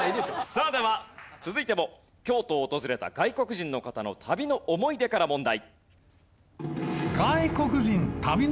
さあでは続いても京都を訪れた外国人の方の旅の思い出から問題。